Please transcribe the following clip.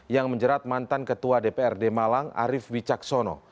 yang menjerat mantan ketua dprd malang arief wicaksono